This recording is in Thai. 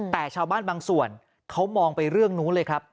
แต่ชาวบ้านบางส่วนเขามองไปเรื่องนู้นเลยครับ